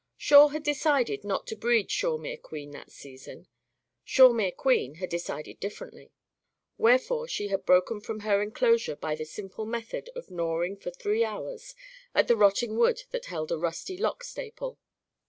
Shawe had decided not to breed Shawemere Queen that season. Shawemere Queen had decided differently. Wherefore, she had broken from her enclosure by the simple method of gnawing for three hours at the rotting wood that held a rusty lock staple.